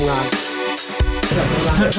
อันนี้มีอะไรครับมันเป็นเคมีอะไรครับ